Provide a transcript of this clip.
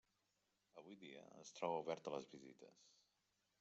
Avui dia es troba obert a les visites.